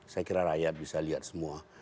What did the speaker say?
saya kira rakyat bisa lihat semua